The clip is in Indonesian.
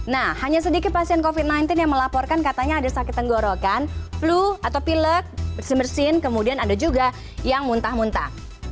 nah hanya sedikit pasien covid sembilan belas yang melaporkan katanya ada sakit tenggorokan flu atau pilek bersin bersin kemudian ada juga yang muntah muntah